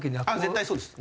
絶対そうです。